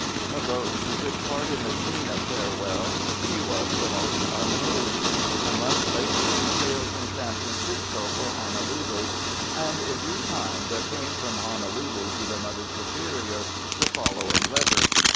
Of those who took part in the scene of farewell she was the most unmoved. A month later she sailed from San Francisco for Honolulu; and in due time there came from Honolulu to the Mother Superior the following letter.